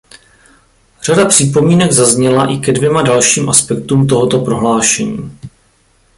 Řada připomínek zazněla i ke dvěma dalším aspektům tohoto prohlášení.